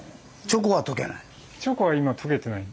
チョコは今とけてない。